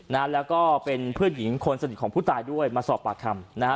นะฮะแล้วก็เป็นเพื่อนหญิงคนสนิทของผู้ตายด้วยมาสอบปากคำนะฮะ